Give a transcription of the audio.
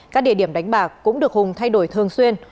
các địa điểm đánh bạc cũng được hùng thay đổi thường xuyên